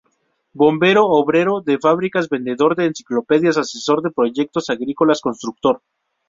Bombero; obrero de fábricas; vendedor de enciclopedias; asesor de proyectos agrícolas; constructor.